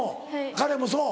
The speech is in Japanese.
彼もそう？